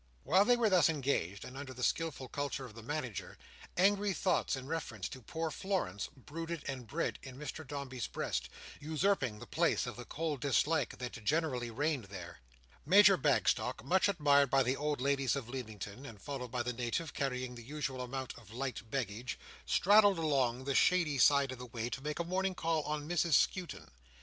While they were thus engaged; and under the skilful culture of the Manager, angry thoughts in reference to poor Florence brooded and bred in Mr Dombey's breast, usurping the place of the cold dislike that generally reigned there; Major Bagstock, much admired by the old ladies of Leamington, and followed by the Native, carrying the usual amount of light baggage, straddled along the shady side of the way, to make a morning call on Mrs Skewton.